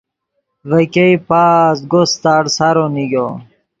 ڤے ګئے پازگو ستاڑ سارو نیگو۔